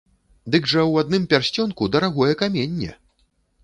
Дык жа ў адным пярсцёнку дарагое каменне!